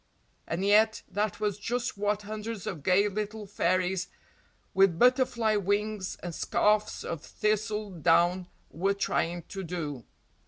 And yet that was just what hundreds of gay little fairies with butterfly wings and scarfs of thistle down were trying to do.